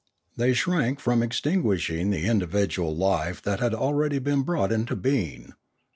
They shrank from extinguishing the individual life that had already been brought into being.